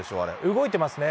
動いてますね。